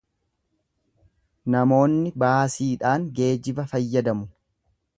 Namoonni baasiidhaan geejiba fayyadamu.